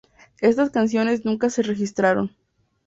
Estas canciones nunca se registraron.